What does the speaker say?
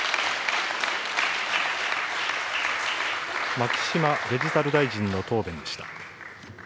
牧島デジタル大臣の答弁でした。